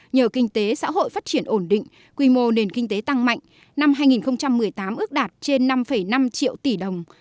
nhờ kinh tế xã hội phát triển ổn định quy mô nền kinh tế tăng mạnh năm hai nghìn một mươi tám ước đạt trên năm năm triệu tỷ đồng